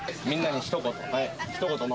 みんなにひと言。